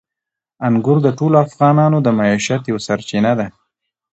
انګور د ټولو افغانانو د معیشت یوه سرچینه ده.